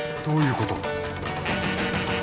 どういうこと？